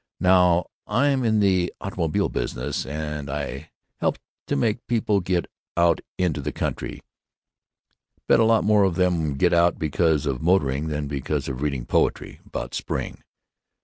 Now I'm in the automobile business, and I help to make people get out into the country—bet a lot more of them get out because of motoring than because of reading poetry about spring.